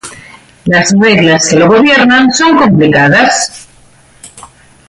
Las reglas que lo gobiernan son complicadas.